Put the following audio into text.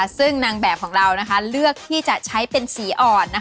ซึ่งนางแบบของเราเลือกที่จะใช้เป็นสีอ่อน